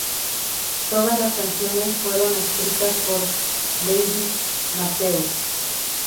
Todas las canciones fueron escritas por David J. Matthews.